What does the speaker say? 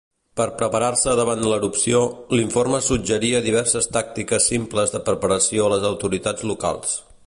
Per preparar-se davant l'erupció, l'informe suggeria diverses tàctiques simples de preparació a les autoritats locals.